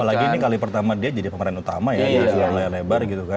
apalagi ini kali pertama dia jadi pemeran utama ya